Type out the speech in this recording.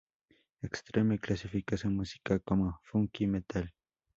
Extreme clasifica su música como "Funky Metal".